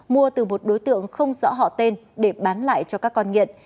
mua từ một đối tượng không rõ họ tên để bán lại cho các con nghiện